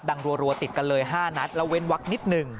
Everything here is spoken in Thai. รัวติดกันเลย๕นัดแล้วเว้นวักนิดหนึ่ง